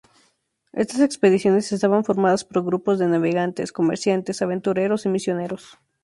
Estas expediciones estaban formadas por grupos de navegantes, comerciantes, aventureros y misioneros.